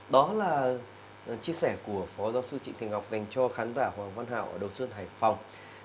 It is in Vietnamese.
đó là chia sẻ của phó giáo sư trịnh thị ngọc gành cho khán giả hoàng văn hảo ở đầu xuân hải phòng